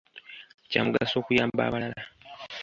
Kya mugaso okuyamba abalala.